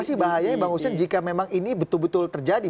apa sih bahayanya bang hussein jika memang ini betul betul terjadi